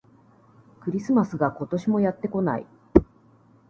クリスマスが、今年もやってこない